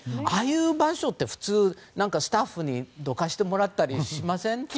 ああいう場所って普通スタッフにどかしてもらったりしません？